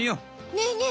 ねえねえ